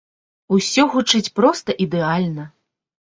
Усё гучыць проста ідэальна!